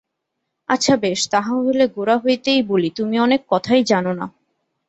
আচ্ছা বেশ, তাহা হইলে গোড়া হইতেই বলি–তুমি অনেক কথাই জান না।